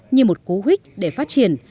như một cú huyết để phát triển